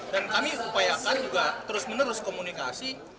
dan kami upayakan juga terus menerus komunikasi